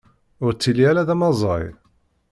Ur ttili ara d amaẓay.